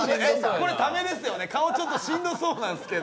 これ、ためですよね、顔ちょっとしんどそうなんですけど。